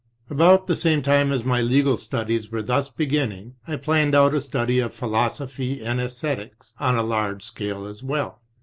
About the same time as my legal studies were thus begin ning, I planned out a study of Philosophy and ^Esthetics on a large scale as well.